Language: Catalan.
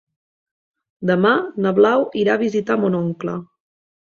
Demà na Blau irà a visitar mon oncle.